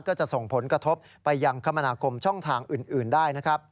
ก็จะส่งผลกระทบไปยังคมนาคมช่องทางอื่นได้นะครับ